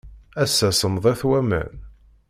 Ass-a, semmḍit waman.